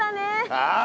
ああ！